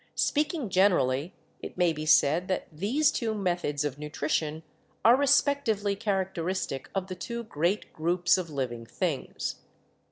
"Speaking generally, it may be said that these two meth ods of nutrition are respectively characteristic of the two great groups of living things.